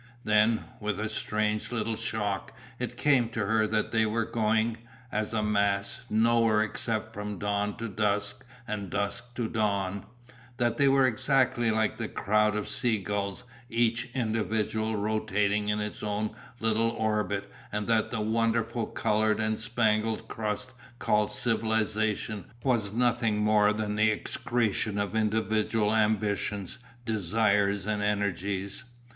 Then, with a strange little shock, it came to her that they were going, as a mass, nowhere except from dawn to dusk and dusk to dawn; that they were exactly like the crowd of sea gulls, each individual rotating in its own little orbit, and that the wonderful coloured and spangled crust called Civilization was nothing more than the excretion of individual ambitions, desires and energies.